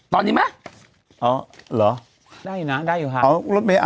ตอนนี้ไหมอ๋อเหรอได้อยู่นะได้อยู่ครับ